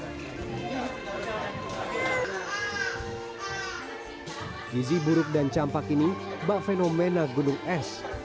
gizi buruk dan campak ini bak fenomena gunung es